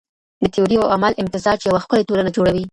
د تيوري او عمل امتزاج يوه ښکلې ټولنه جوړوي.